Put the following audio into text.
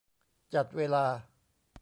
จัดเวลา